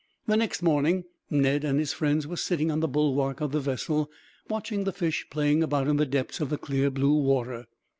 The next morning, Ned and his friends were sitting on the bulwark of the vessel, watching the fish playing about in the depths of the clear blue water.